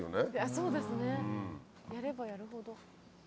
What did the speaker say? そうですねやればやるほど。